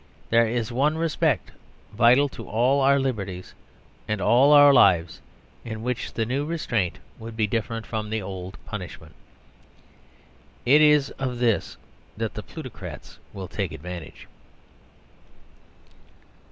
There is one respect, vital to all our liberties and all our lives, in which the new restraint would be different from the old punishment. It is of this that the plutocrats will take advantage.